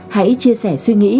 hãy chia sẻ suy nghĩ